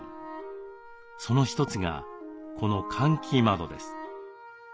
その一つがこの換気窓です。